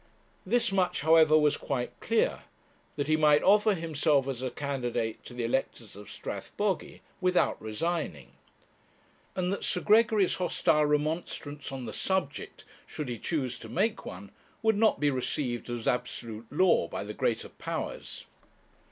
This much, however, was quite clear, that he might offer himself as a candidate to the electors of Strathbogy without resigning; and that Sir Gregory's hostile remonstrance on the subject, should he choose to make one, would not be received as absolute law by the greater powers.